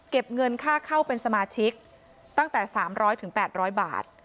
เงินค่าเข้าเป็นสมาชิกตั้งแต่๓๐๐๘๐๐บาท